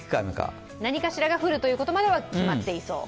何かしらが降ることまでは決まっていそう。